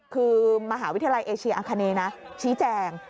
คือมหาวิทยาลัยเอเชียอังคณีนะชี้แจง